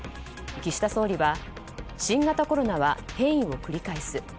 岸田総理は新型コロナは変異を繰り返す。